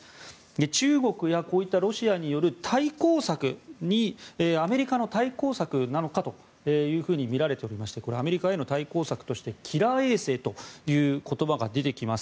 中国やこういったロシアによる対抗策にアメリカへの対抗策なのかとみられておりましてこれはアメリカの対抗策としてキラー衛星という言葉が出てきます。